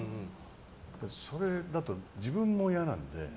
それだと、自分も嫌なので。